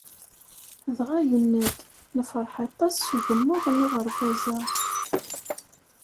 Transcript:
Dɣa, yenna-d: “Nefreḥ aṭas s ugemmuḍ n uɣerbaz-a."